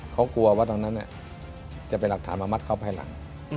เขากลัวว่าตรงนั้นจะเป็นหลักฐานมามัดเขาภายหลัง